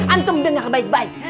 antum dengar baik baik